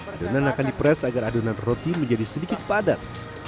adonan akan di pres agar adonan roti menjadi sedikit padat